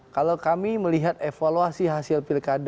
kalau kami melihat evaluasi hasil pilkada